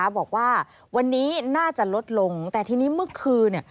บอกว่าวันนี้น่าจะลดลงแต่ทีนี้เมื่อคืน